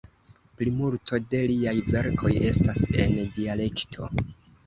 Plimulto de liaj verkoj estas en dialekto.